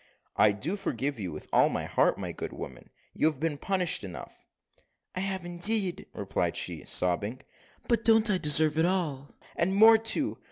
"I do forgive you with all my heart, my good woman. You have been punished enough." "I have, indeed," replied she, sobbing; "but don't I deserve it all, and more too?